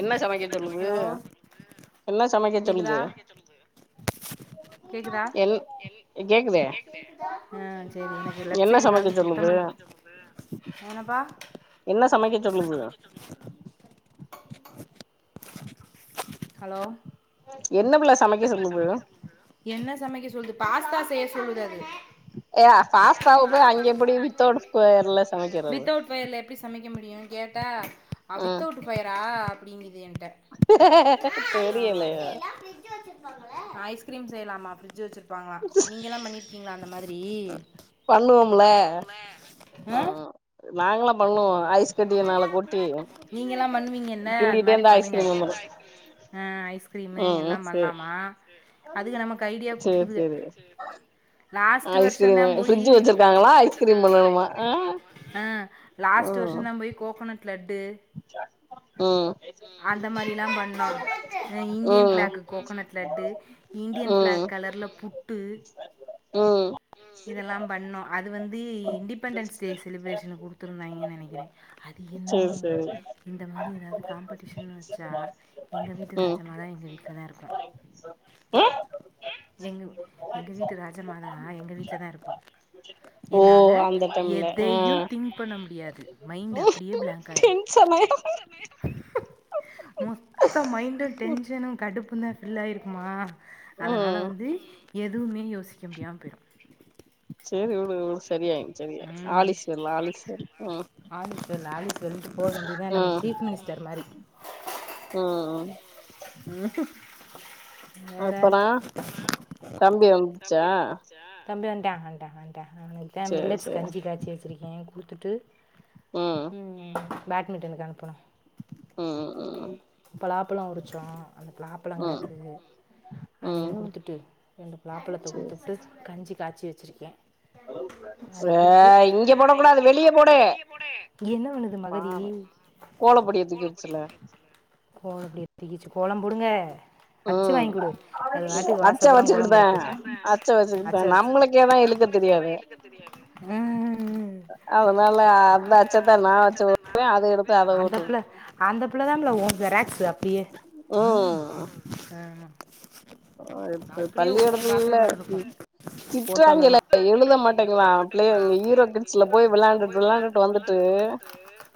என்ன சமைக்க சொல்லுது ஹலோ என்ன சமைக்க கேக்குதா சொல்லுது கேக்குதா என் கேக்குதே ஆ சேரி எனக்கு லெஃப்ட் என்ன சைடு சமைக்க காது சொல்லுது சுத்தமா ஏனப்பா என்ன சமைக்க சொல்லுது [inaudible] ஹலோ என்ன புள்ள சமைக்க சொல்லுது என்ன சமைக்க சொல்லுது பாஸ்தா செய்ய சொல்லுது அது ஏ பாஸ்தாவ போய் அங்க எப்படி வித்தவுட் ஸ்கொயர்ல சமைக்கிறது வித்தவுட் ஃப்யர்ல எப்டி சமைக்க முடியுன் கேட்டா ம் வித்தவுட் ஃபயரா அப்டிங்குது என்ட்ட தெரியலையா பிரிட்ஜ் வச்சிருப்பாங்களா ஐஸ்கிரீம் செய்யலாமா பிரிட்ஜ் வெச்சிருப்பாங்ளா நீங்க எல்லா பண்ணி ருக்கீங்ளா அந்த மாரி பண்ணுவோம்ல ம் ஆ ம் நாங்களாம் பண்ணுவோ ஐஸ் கட்டிய மேல கொட்டி நீங்கல்லா பண்ணுவீங்க என்ன அது கிண்டிட்டே மாரி இருந்தா பண்ணுங்க ஐஸ்கிரீம் வந்துரு அ ஐஸ்கிரீம் ம் எல்லாம் சேரி பண்ணலாம் ஆ அதுக நமக்கு ஐடியா சேரி குடுக்குதுக சேரி லாஸ்ட்டு வருஷதா ஐஸ்கிரீம் போய்யி ஃப்ரிட்ஜ் வச்சிருக்காங்களா ஐஸ்கிரீம் பண்ணணுமா ஆ ஆ லாஸ்ட் வருஷ ம் தா போய் கோகனட் லட்டு ம் அந்த மாரி எல்லா பண்ணோ அ இந்தியன் ம் flag coconut laddu Indian flag கலர்ல புட்டு ம் சேரி இதெல்லா பண்ணோ அது வந்து இண்டிபெண்டன்ஸ் டே செலபிரேஷன்ல குடுத்துருந்தாங்கேன்னு நெனைக்கிறே அது என்னமோ சேரி இந்த மாரி ஏதாவது காம்படிஷன் வச்சா எங்க வீட்டு ம் ம் ராஜமாதா எங்க வீட்டு க்தா இருப்பா எங்க எங்க வீட்டு ராஜ மாதா அ எங்க வீட்ல தா இருப்போ ஓ என்னால அந்த டைம்ல ஆ எதையு திங்க் பண்ண முடியாது மைண்ட் அப்டியே பிளாங்க் ஆயிரு டென்ஷனு மொத்த மைண்டு டென்ஷனு கடுப்பும் தா ஃபில் ஆயிருக்குமா அதனால ம் வந்து எதுவுமே யோசிக்க முடியாம போயிடு சேரி வுடு சரியாய் ம் ம் ஆலிஸ்வெல் ஆலிஸ்வெல்ட்டு போ வேண்டிதா நம்ம ம் சீஃப் மினிஸ் ஸ்டர் மாரி ம் ம் அப்புறோ தம்பி வந்துந்துச்சா தம்பி வந்துட்டா வந்துட்டா வந்துட்டா அவனுதா சேரி மிலட்ஸ் சேரி கஞ்சி காய்சி வச்சிருக்கே குடுத்துட்டு ம் ம் பேட்மிண்டனுக்கு அனுப்பணு ம் ம் பலாப்பழோ உரிச்சோ அந்த பிலாப்பழ ம் கிடக்கு அதையு ம் குடுத்துட்டு ரெண்டு பிலாப்பழத்தை குடுத்துட்டு கஞ்சி காய்ச்சி வச்சிருக்கே ஹலோ ஃப்ர ஆ இங்க போட கூடாது வெளிய போடு என்ன பண்ணுது மகதி பாரே கோலப்பொடிய தூக்கி வச்சிரலா கோலபொடிய தூக்கி வச்சு கோலம் போடுங்க அச்சு ம் வாங்கிகுடு அது வாட்டுக்கு அச்ச வாசப்புற கோலம் வச்சுக்கிட்டுதா போடடு அச்ச வச்சுக்கிட்டுதா அச்ச வச்சு நம்மளுக்கேதா இழுக்க தெரியாது ம் அதனால அந்த அச்சத்தா நா வச்சவுடுவே அத எடுத்து அத அந்த வுட்டு பிள்ளை அந்த புள்ளதா புள்ள ஊ ஜெராக்ஸ்ஷு அப்டியே அ ஒ இப்ப பள்ளிகூடத்துல்லா மாதிரி இருக்கும் திட்றாங்களா ஃபோட்டோலலாம் எழுத மாட்டேங்களா பிள்ளைய இங்க ஹீரோ கிட்ஸ்ல போய் விளாண்டுட்டு விளையாண்டுட்டு வந்துட்டு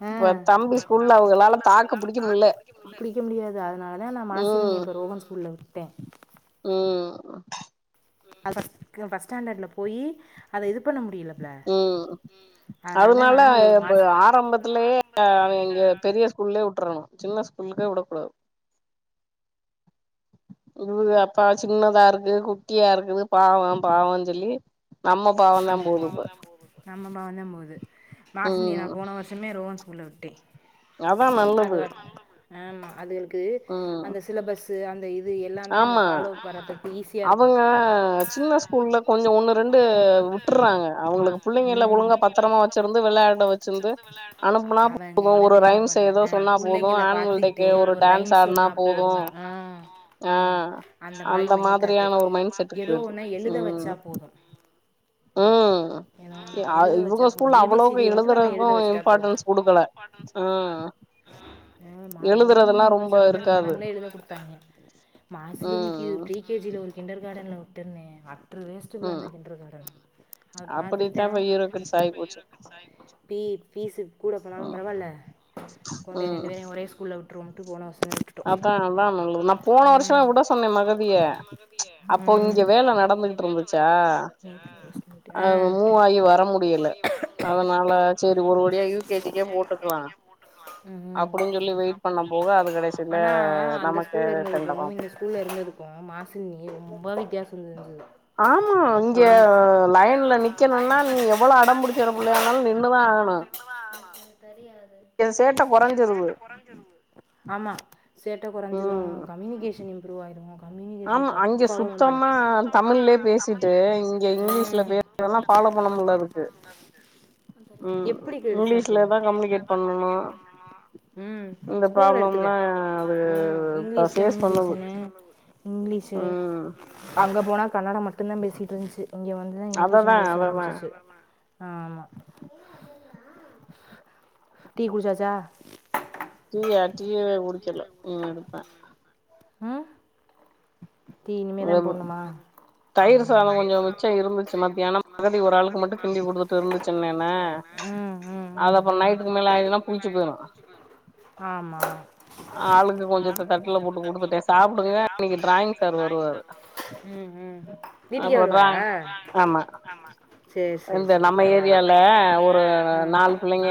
ஆ இப்ப தம்பி ஸ்கூல்ல அவங்களால தாக்க பிடிக்க முடியல புடிக்க முடியாது அதனால தா நா மாசினிய இப்ப ரோஹன் ஸ்கூல்ல விட்டே ம் அ ஃபஸ் ஃபர்ஸ்ட் ஸ்டாண்டேடுல போயி அத இது பண்ண முடியில ம் அதனால நானும் ரோ இப்ப மாஸ் ஆரம்பத்துலயே ஆ இங்க பெரிய ஸ்கூல்லே உட்றனு சின்ன ஸ்கூலுக்கே விடக்கூடாத் இவுக அப்பா சின்னதா இருக்கு குட்டியா இருக்குது பாவோ பவோன் சொல்லி நம்ம பாவந்தா போது இப்ப நம்ம பாவந்த போது மாசினிய நா ம் போன வர்ஸ் சமே ரோஹன் ஸ்கூல்ல விட்டே அதா அது நல்லது பா ஆமா அதுக க்கு ம் அந்த சிலபஸ்சு அந்த இது எல்லாமே அந்த ஆமா ஃபலோப் பரதுக்கு ஈஸியா இருக்கு அவங்க சின்ன அவங்க ஸ்கூல்ல கொஞ்சோ உன்னு ரெண்டு உட்டுறாங்க அவுங்களுக்கு புள்ளைங்க எல்லா ஒழுங்கா பத்திரமா வெச்சிருந்து வெளையாட வெ ச்சிருந்து அனுப்புனா போது ஒரு விட்றாங்க ரைம்ஸ் எதோ சொன்னா அவங்க போது புள்ளைங்க ஆன்வல் டேக்கு ஒரு டான்ஸ் ஆட்னா [unintelligible] ஆ ஆ அந்த மாரி மைய்ன் தாட்டே மாதிரியான ஒரு மைண்ட் செட்டுக்கு எதோ போயிருது ஒண்ணா எழுத ம் வெச்சா போது ம் ஏதோ ஒன்னு இ ஆ எழுத இவுங்க வச்சா போது ஸ்கூல்ல ஏ பி சி அவ்ளவு டிய மட்டு நம்ம எழுதுறதுக்கு எழுத வச்சுட்டா இம்பார்ட்டன்ஸ் குடுக்கல ம் அ நா ரோகன் எழுதுறதெல்லா ரொம்ப படிச்சது இருக்காது [unintelligible] இதுல குடுத்தாங்க மாசினிக்கி ம் ப்ரீ கே ஜ ல ஒரு கிண்டர் காடன்ல உட்ருந்தே அட்று வேஸ்ட்டுபுள்ள ம் அந்த கிண்ட்ரு காடன் அத பாத்துட்டே அப்படித்தா இப்ப ஈரோக்கிட்ஸ் தா ஆயி போச்சு பீ பீஸு கூட போனாலு ம் பரவால்ல கொண்டே ம் ரெண்டு பேரயு ஒரே ஸ்கூல்ல விட்டுருவோம்ட்டு போன வர்ஷமே விட்டுட்டோ அதா அதா நல்லது நா போன வர்ஷமே ம் உட சொன்ன மகதிய அப்போ இங்க வேல நடந்துகிட்டு இருந்துச்சா சா அ மூவாகி வர முடியல அதனால செரி ஒரு வடியா யூ கே ஜி க்கே போட்டுக்கலா ம் அப்டின்னு சொல்லி வெயிட் பண்ண போக அது கடைசில ஆனா அந்த நமக்கு ஸ்கூல்ல இருந்ததுக்கு தெண்டமா இந்த போச்சு ஸ்கூல்ல இருந்ததுக் கு மாசினி ரொம்ப வித்தியாசோ தெரிஞ்சிது ஆமா இங்க லைன்ல நிக்கணுனா நீ எவ்ள அடம்பிடிக்கிற பிள்ளையா இருந்தாலு நின்னுதா ஆகணு எனக் தெரியாது இவே சேட்ட கொறஞ்சிருது கொறஞ்சிருது ஆமா சேட்ட கொறஞ்சிரு ம் கம்யூனிகேஷன் இம்ப்ரூவ் ஆயிரு ஆமா அங்க சுத்தம்மா தமிழ்லே பேசீட்டு இங்க இங்கிலீஷ்ல ம் பே இதெல்லா ஃபாலோ பண்ண முடிலதுக்கு இங்கிலீஷ்ல தா கம்யூனிகேட் தா பண்ணனு கம்யூனிகேட் பண்ணணு இந்த ப்ராப்ளம்லா அது ம் இப்ப இங்லீஷ் ஃபேஸ் பண்ணுது கம்யூனிகேஷனு ம் இங்லீஷு ம் அங்க போனா கன்னடோ மட்டு தா பேசிட்டு இருந்ச்சு இங்க வந்து அத இங்கிலீஷு அததா பேச அததா ஆரம்பிச்சிச்சு ஆமா டீ குடிச்சாச்சா டீயா டீயவே குடிக்கல ம் எடுப்பே ஆ டீ இனிமே தா வெறு போட்ணுமா தயிர் சாதோ கொஞ்சோ மிச்ச இருந்துச்சி மத்தியானோ அது எப்டி ஒரு ஆளுக்கு மட்டு கிண்டி குடுத்துட்டு இருந்துச்சின்னேனா ம் ம் அது ம் அப்றோ நைட்டுக்கு மேல ஆயிருதுனா புள்ச்சு போயிரு ஆமா ஆளுக்கு கொஞ்சத்த தட்டுல போட்டு குடுத்துட்டே சாப்புடுங்க இன்னைக்கி டிராயிங் சார் வருவாரு ம் ம் வீட்டுக்கே அப்ப டிரா வருவாரா? ஆமா சேரி சேரி இந்த சேரி நம்ம பரவால்ல ஏரியால ஒரு ஆ நாலு ம் புள்ளைங்க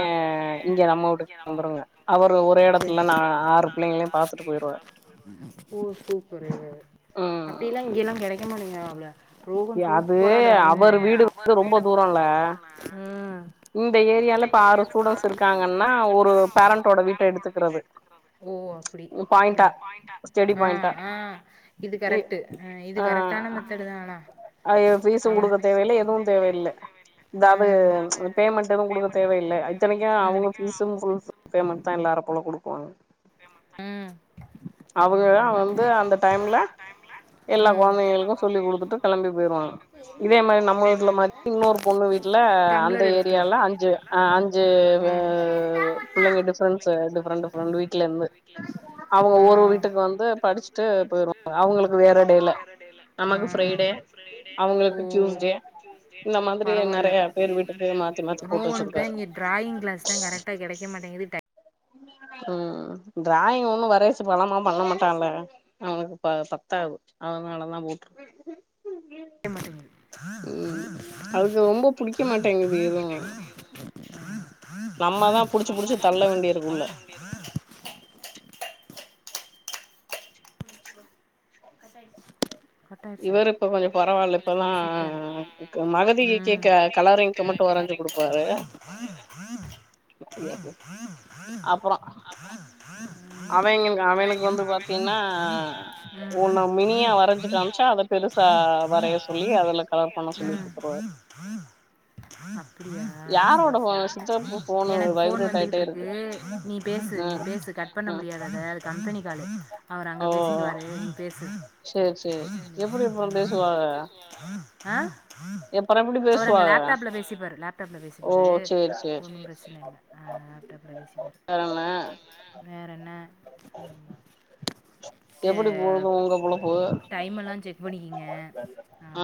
இங்க நம்ம உட்டுக் வந்துருங்க அவரு ஒரே சே எடத்துல நா ஆறு புள்ளைங்ளையு பாத்துட்டு போயிருவாரு ஓ சூப்பரு அப்டில்லா ம் இங்கல்லா கெடைக்க மாட்டேங்குறா புள்ள ரோகன் அது சூப்பரா ட்ராயிங் அவர் வீடு வந்து ரொம்ப தூரம்ல வரைவா இந்த ஏரியால இப்ப ஆறு ஸ்டூடண்ட்ஸ் இருக்காங்கன்னா ஒரு பேரண்டோட வீட்ட எடுத்துக்றது ஓ அப்டி ஸ்டெடி பாயிண்டா [inaudible] கரெக்ட்டு ஆ இது கரெக்டான மெத்தடு ஆனா அ ஏ பீஸு குடுக்க தேவயில்ல எதுவு தேவையில்ல இதாது ஆ பேமெண்ட் எது குடுக்க தேவயில்ல அ இத்தனைக்கு ம் அவிங்க fees full and full payment தா எல்லாரு போல குடுக்குவாங்க ம் அவுக தா பரவால்ல வந்து அந்த டைம்ல எல்லா ம் கொழந்தைகளுக்கு சொல்லி குடுத்துட்டு கெளம்பி போயிருவாங்க இதே மாரி நம்ம வீட்ல மாரி இன்னொரு பொண்ணு வீட்ல அந்த டம்ளர் எடுத்துட்டு வா ஏரியால அஞ்சு ஆ அஞ்சு ஆ புள்ளைங்க டிஃப்ரெண்ட்ஸு டிஃப்ரெண்ட் டிஃப்ரெண்ட் வீட்லேருந்து ம் அப்போ ஒரு வீட்டுக்கு வந்து படிச்சுட்டு படிச்சுட்டு போயிருவாங்க அவங்களுக்கு போய்ருவாங்க வேற அவுங்ளுக்கு டேல வேற டே ல நமக்கு ஃப்ரை டே ம் இந்த மாதிரி பரவால்ல நெறைய பேர் வீட்டுக்கு மாத்தி மாத்தி போட்டு ரோகனுக்கு தா வச்சிருக்காரு இங்க டிராயிங் கிளாஸ்தா கரக்ட்டா கெடைக்க மாட்டேங்குது ம் டிராயிங் ஒன்னு வரைய [unintelligible] பண்ண மாட்டான்ல அவனுக்கு ப பத்தாது அதனால தா போட்ருக்கு [unintelligible] ம் அதுக்கு ரொம்ப புடிக்க மாட்டேங்குது எதுவு நம்மதா புடிச்சு புடிச்சு தள்ள வேண்டிருக்கு உள்ள கட்டாயிடுச்சா இவரு இப்ப கொஞ்சோ பரவால்ல இப்பலா மஹதி ம் கேக்குற கலரிங் [inaudible] [inaudible] அப்பறோ அவைங்களுக்கு அவனுக்கு வந்து பாத்தீனா ம் ஒன்னு மினியா வரைஞ்சு காம்ச்சா அத பெருசா வரைய சொல்லி அதுல கலர் பண்ண சொல்லி [inaudible] ம் அப்டியா சரி யாரோட சரி ஃபோனு சித்தப்பு ஃபோனு எனக்கு ஃபோன் வைப்ரேட் ஆயிட்டே வந்துகிட்ருக்கு இருக்கு நீ பேசு நீ ம் பேசு கட் பண்ண ம் முடியாது அத அது கம்பெனி காலு அவரு அங்க ஓ பேசிக்குவாரு நீ பேசு சேரி சேரி எப்டி அப்றோ பேசுவாக ஆ ஆ அப்புறோ எப்டி அவர் அங்க பேசுவாக லேப்டாப்ல பேசிப்பாரு லேப்டாப்ல ஓ பேசிப்பாரு சேரி சேரி பிரச்சன ஆ லேப்டாப்ல பேசிப்பாரு வேறென்ன வேற என்ன சே எப்டி போகுது உங்க பொழப்பு டைம்மெல்லா செக் பண்ணிக்கிங்க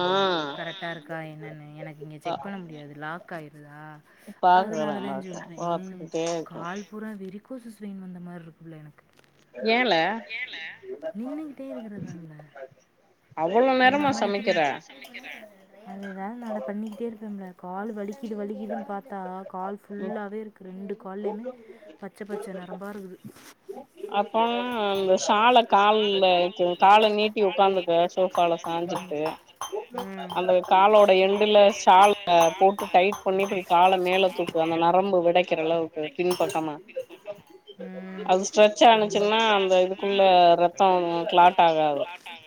ஆ கரெக்டா இரு கா என்னன்னு எனக்கு இங்க செக் பண்ண முடியாது லாக் ஆயிருதா பாக்குறே பாக்கு ஆ கால் பூரா வெரிகோசஸ் [inaudible] வந்த மாரி இருக்கு புள்ள எனக்கு ஏலே நின்னுக்கிட்டே இருக்குறதானலே அவ்ளோ ஏ நேரமா நம்ம சமைக்கிற நிக்கிறது அதே தா நா பண்ணிட்டே இருப்பேம்ல கால் வலிக்குது வலிக்குதுன் பாத்தா கால் ம் ஃபுல்லாவே இருக்கு ரெண்டு கால்லிமே பச்ச பச்ச நரம்பா இருக்குது அப்பனா அந்த ஷால கால்ல கால நீட்டி ஒக்காந்துக்க ஷோ பழ சாஞ்சிட்டு சாய்ந்திருக்கு அந்த காலோட என்டுல சால்ல போட்டு டைட் பண்ணி இப்டி கால மேல தூக் கணு நரம்பு வெடைக்கிற அளவுக்கு பின் பக்கமா ம் அது ஆனுச்சுன்னா ஸ்ட்ரெச் அந்த ஆச்சுன்னா இதுக்குள்ள அந்த ரத்தோ இதுக்குள்ள ரத்தோ கிளாட் ஆகாது கிளாட்டாக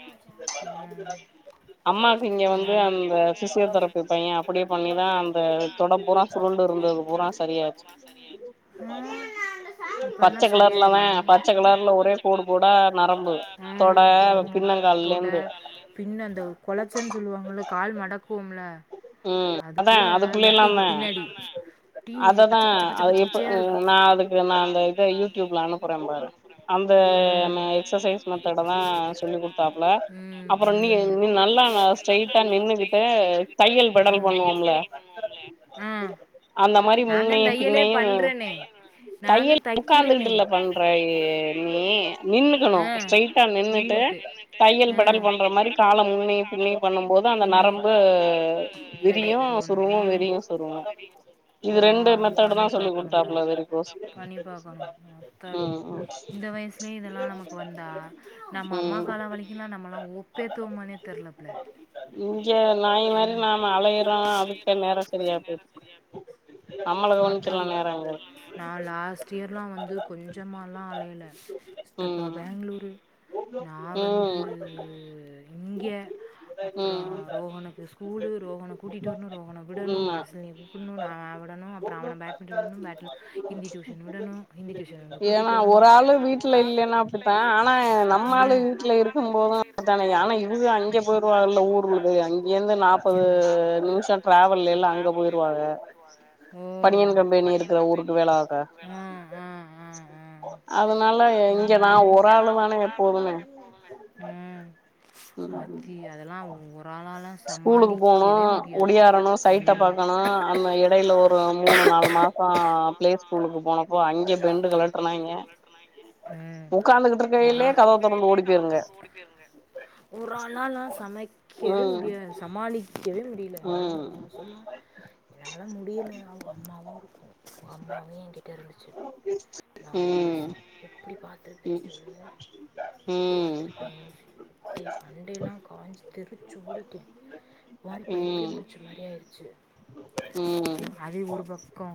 ம் அம்மாக்கு இங்க வந்து அந்த பிசியோதரபி பையே அப்படியே பண்ணிதா அந்த தொடப்புறா தொடப்பூரா சுருண்டு இருந்தது பூரா சரி ஆச்சு ஆ ல்லாமே பச்ச கலர்ல ஒரே கோடு கோடா நரம்பு தொட பின்னங்கால்லேருந்து பின் அந்த கொலச்சன்னு சொல்லுவாங்கல்ல கால் மடக்குவோம்ல ம் அதா அதுக்குள்ள அதுக்குள்ளைல்லா முட்டிக்கு தா பின்னாடி டீ அததா பச்ச பச்ச பச்ச அது பச்ச இப்ப பச்சையா இருக்கு நா அதுக்கு நா அந்த இத யூடியூப்ல அனுப்புறே பாரு அந்த அந்த மெ எக்ஸசைஸ் மெத்தட தா சொல்லி குடு தாப்ல அப்றோ நீ ம் நீ நல்லா ஸ்ட்ரைட்டா நின்னுகிட்டு தையல் பெடல் பண்ணுவோம்ல ம் ஆ அந்த மாரி நாந்தா முன்னையு தையலே பின்னையு பண்றேனே நாந்தா தையல் தைக்கிறேனே உட்காந்துட்டுல பண்ற நீ நின்னுக்கணு ஸ்ரைட் நின்னுட்டு ஸ்ட்ரைட்டா நின்னுட்டு பண்ற மாரி கால முன்னையு பின்னையு பண்ணும்போது அந்த நரம்பு விரியூ சுருங்கூ விரியு விரியூ சுருங்கூ ஆ இது ரெண்டு மெத்தடு் தா பண்ணி சொல்லி பாக்கணும்டா கொடுத்தாப்ல வெரிகோஸ் ஆத்தாடி ம் ம் இந்த வயசுலயே இதெல்லா நமக்கு வந்தா நம்ம அம்மா ம் காலோ வரைக்குல்லா நம்மல்லா ஒப்பேத்துவோமானே தெர்ல ப்ல இங்க நாய் மாரி நாம அலையறோ அதுக்கே நேரோ சரியா போயிருது நம்மள கவனிக்கல்லா நேரோயில்ல நா லாஸ்ட் இயர் லா வந்து கொஞ்சமால்லா அலயல இப்ப ம் பேங்ளூரு நா வந்து ம் இங்கே அப்றோ ம் ரோ ரோகனுக்கு ஸ்கூலு ரோகன கூட்டிட்டு வர்ணு ரோகன விடணு ம் மாஸ்த்துல விடணு நா விடணு அப்றோ அவன பேட்மிட்டன் விடணு பேட் ஹிந்தி டியூஷன் விடணு ஹிந்தி டியூஷன்ல இருந்து ஏன்னா கூட்டிட்டு வரணு ஒரு ஆளு ஏனா ஒரு வீட்ல ஆள் இல்லன்னா வீட்ல அப்டித்தா இல்லனா ஆனா அப்டி தா ஆனா நம்மாளு இப்டி செய் இப்பதானே ஆனா இவ்க அங்கே போயிருவாகல ஊருவுலுக்கு அங் இங்கந்து நாப்பது நிமிஷோ டிராவல்ல எல்லா அங்க போயிருவாக ஓ பனியன் கம்பெனி பனியன் இருக்கிற கம்பெனி ஊருக்கு வேல இருக்கற பாக்க ஊருக்கு வேண ம் ம் ம் ம் அதனால இங்க அதனால நா ஒரு இங்க நா ஆளு தானே ஒரு ஆள் தான எப்போதுமே எப்போதுமே ம் ம் ஆத்தி அதெல்லா ஒத் தாலால ஸ்கூலுக்கு போனு ஒடியாறணு ம் சைட்ட பாக்கணு அந்த எடையில ஒரு மூணு நாலு மா மூணு மாசோ பிளே ஸ்கூல் போனப்போ பெண்டு அங்க கலட்டுனாய்ங்க பெண்டு களட்டனாய்ங்க ம் உக்காந்துகிட்டு ஒரு இருக்கையிலயே கதவ ஆ தொரந்து ஓடி போயிருதுங்க ஒரு ஆளாலா சமை ளிக்கவே ம் முடியாது சமாளிக்கவே முடில என்னால ம் போன வருஷம்லா என்னால முடியல அவங்க அம்மாவு இருக்கும் அவுங்க அம்மாவு எங்கிட்ட இருந்துச்சு நாலு ம் மாசோ எப்டி பாத்துருப்பே சொல்லு எப்டி ம் பாத்துருப்பே யோசி [unintelligible] மண்டைலா காஞ்சிட்டு பிச்சோடிட்டே மாரி பைத்தியம் ம் புடிச்ச மாரி ஆயிருச்சு ம் ய்யோ அது ஒரு பக்கோ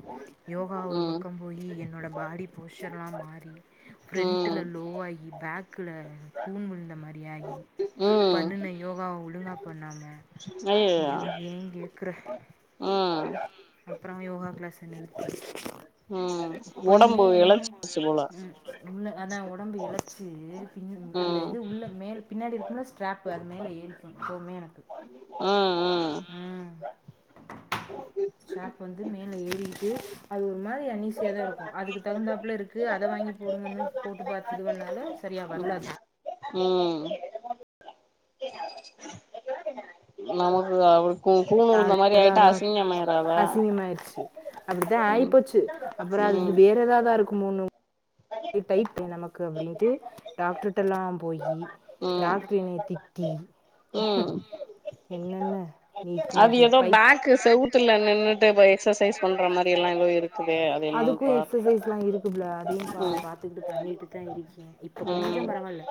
யோகா ஒரு ம் பக்கோ போயி என்னோட பாடி போஷ்ஷனல்லா மாறி ம் ம் ஃப்ரண்ட்டுல லோ ஆயி பேக்ல கூன் விழுந்த மாரி ஆயி ம் யோகாவ ஒழுங்கா பண்ணாம அய்யய்யோ ஐயோ ஏங்கேக்குற ம் அப்றோ யோகா க்ளாஸ் என்ன எதுக்கு ம் ஒடம்பு இப்போய்மே எளச்சிருச்சு போல ம் உள்ள அதா ஒடம்பு எழச்சி பின் அந்த ம் இது உள்ள மேல் பின்னாடி இருக்கும்ல ஸ்ட்ராப்பு அது மேலே ஏறிக்கு இப்பவுமே எனக்கு [unintelligible] ம் அ ஸ்டேப்பு வந்து மேல ஏறிகிட்டு அது ஒரு மாரி அன்னீஸியா தா இருக்கு அதுக்கு தகுந்தாப்பல இருக்கு அத வாங்கி போடுங்கன்னு போட்டு பாத் இது பண்ணாலு செரியா ம் வரல அது ம் நமக்கு அவளுக்கு கூண் உழுந்த மாரி ஆயிட்டா அசிங்கமாயிறா அவ ன்னாய்ச்சி அப்டிதா ஆயிப்போச்சு அப்றோ அது ம் பு வேற எதாவ்தா இருக்குமோணு இத் டைட்டு நமக்கு அப்டின்ட்டு டாக்ட்ருடெல்லா போயி ம் டாக்ட்ரு என்னய திட்டி ம் ம் அது ஏதோ எதோ பேக்கு செவுத்துல நின்னுட்டு செவுத்துல இப்ப நின்னுட்டு எக்சசைஸ் பை பண்ற மாரி எல்லா எக்சசைஸ் ஏதோ பண்ற இருக்குதே அது என்னன்னு அதுக்கு பார் எக்ஸசைஸ்ல்லா இருக்கு புள்ள அதையு பா ம் பாத்துக்ட்டு பண்ணீட்டு தா இருக்கே இப்போ கொஞ்சோ ம் பரவால்ல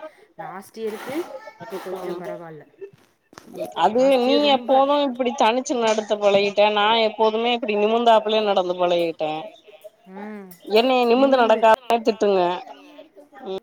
லாஸ்ட் இயருக்கு இப்போ கொஞ்சோ ம் பரவால்ல அது லாஸ்ட் நீ இயர் ரொம்ப எப்போது இப்டி தனிச்சி நடத்த பழகிட்டே நா எப்போதுமே இப்டி நிமிந்தாப்பலயே நடந்து பழகிட்டே ம் என்னய நிமிந்து நடக்காதே திட்டுங்க